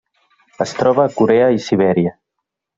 Es troba a Corea i Sibèria.